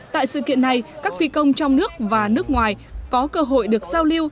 tại sự kiện này các phi công trong nước và nước ngoài có cơ hội được giao lưu